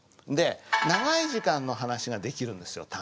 で長い時間の話ができるんですよ